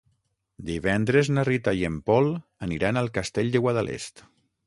Divendres na Rita i en Pol aniran al Castell de Guadalest.